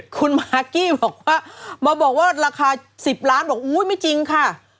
คุณมากกี้บอกว่ามาบอกว่าราคา๑๐ล้านบอกอุ๊ยไม่จริงค่ะ